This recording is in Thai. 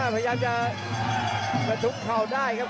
พยายามจะทุกข่าวได้ครับ